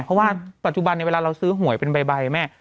เพราะว่าปัจจุบันเวลาเราซื้อหวยเป็นใบแม่